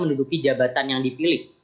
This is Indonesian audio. menduduki jabatan yang dipilih